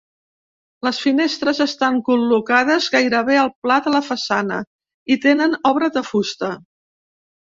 Les finestres estan col·locades gairebé al pla de la façana i tenen obra de fusta.